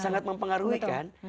sangat mempengaruhi kan